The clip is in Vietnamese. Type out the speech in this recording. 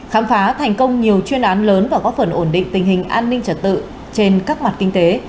khám phá thành công nhiều chuyên án lớn và góp phần ổn định tình hình an ninh trật tự trên các mặt kinh tế